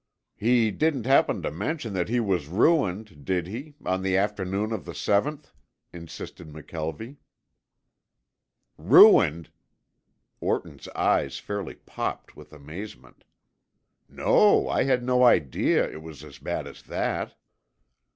"He didn't happen to mention that he was ruined, did he, on the afternoon of the seventh?" insisted McKelvie. "Ruined!" Orton's eyes fairly popped with amazement. "No, I had no idea it was as bad as that."